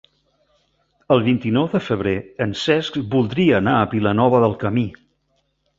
El vint-i-nou de febrer en Cesc voldria anar a Vilanova del Camí.